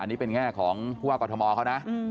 อันนี้เป็นแง่ของผู้ว่ากรทมเขานะ